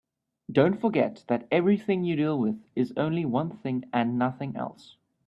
Don't forget that everything you deal with is only one thing and nothing else.